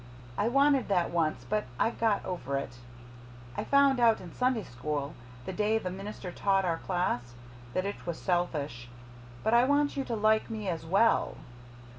I wanted that once but I've got over it. I found out in Sunday School, the day the minister taught our class, that it was selfish. But I want you to like me AS WELL."